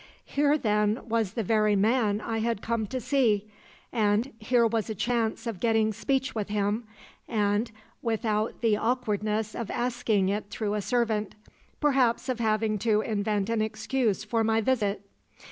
"Here, then, was the very man I had come to see; and here was a chance of getting speech with him and without the awkwardness of asking it through a servant, perhaps of having to invent an excuse for my visit.